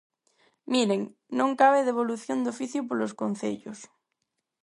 Miren, non cabe devolución de oficio polos concellos.